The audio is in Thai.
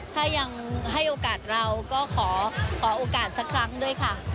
ถ้ายังให้โอกาสเราก็ขอโอกาสสักครั้งด้วยค่ะ